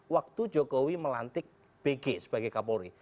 waktu jokowi melantik bg sebagai kapolri